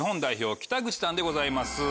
北口さんでございます。